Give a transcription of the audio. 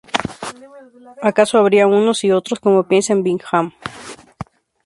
Acaso habría unos y otros, como piensa Bingham.